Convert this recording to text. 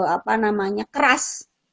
apa namanya keras